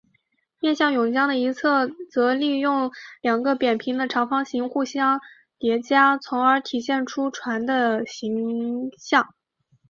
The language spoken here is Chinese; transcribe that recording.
面向甬江的一侧则利用两个扁平长方形相互叠加从而体现出船的形象。